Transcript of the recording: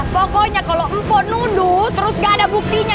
pokoknya kalau empuk nuduh terus gak ada buktinya